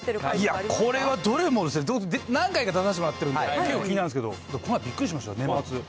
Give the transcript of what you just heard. いや、これはどれもですね、何回か出させてもらってるんで、気になるんですけど、この前、びっくりしました、年末。